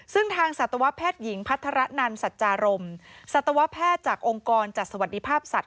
ซึ่งทางสัตวแพทย์หญิงพัฒระนันสัจจารมสัตวแพทย์จากองค์กรจัดสวัสดิภาพสัตว